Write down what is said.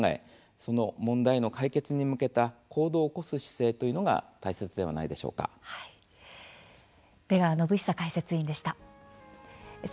その問題の解決に向けた行動を起こす姿勢というのが出川展恒解説委員でした。